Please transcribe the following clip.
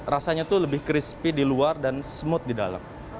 rasanya itu lebih crispy di luar dan smooth di dalam